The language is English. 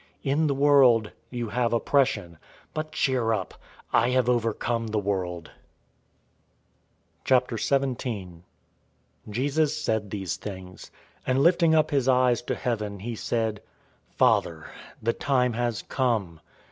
In the world you have oppression; but cheer up! I have overcome the world." 017:001 Jesus said these things, and lifting up his eyes to heaven, he said, "Father, the time has come.